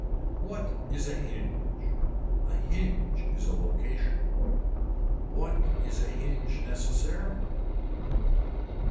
What is a hinge. A hinge is a location. What is a hinge necessarily.